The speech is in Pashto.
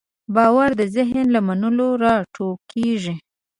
باور د ذهن له منلو راټوکېږي.